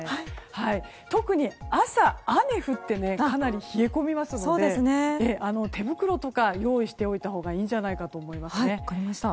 特に朝、雨降ってかなり冷え込みますので手袋とか用意しておいたほうがいいと思いますね。